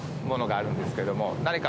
あるんですけども。